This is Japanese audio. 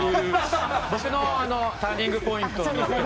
僕のターニングポイントの曲。